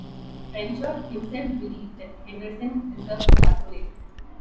Trenchard himself believed that Henderson deserved the accolade.